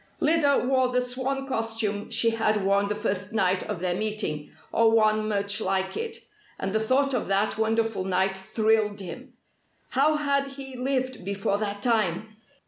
Lyda wore the swan costume she had worn the first night of their meeting or one much like it; and the thought of that wonderful night thrilled him. How had he lived before that time?